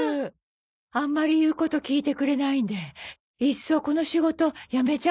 あんまり言うこと聞いてくれないんでいっそこの仕事辞めちゃおうか。